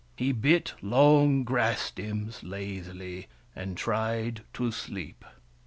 He bit long grass stems lazily, and tried to sleep.